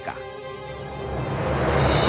kau akan menang